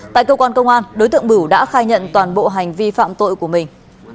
tại cơ quan công an đối tượng bửu đã khai nhận toàn bộ hành vi phạm tội của mình